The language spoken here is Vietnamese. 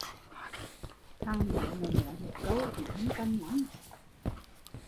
Thằng nớ nó nói một câu cũng thâm trầm lắm